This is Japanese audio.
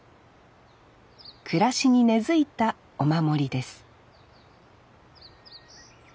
暮らしに根づいたお守りです